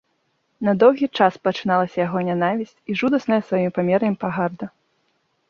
На доўгі час пачыналася яго нянавісць і жудасная сваімі памерамі пагарда.